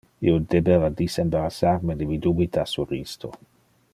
Io debeva disembarassar me de mi dubita sur isto.